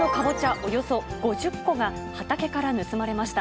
およそ５０個が、畑から盗まれました。